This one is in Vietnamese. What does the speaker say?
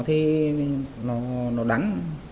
thì nó đánh